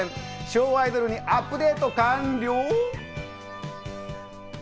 昭和アイドルにアップデート完了？